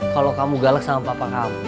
kalau kamu galak sama papa kamu